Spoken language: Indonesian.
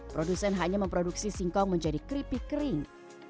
produsen hanya memproduksi singkong menjadi keripik kering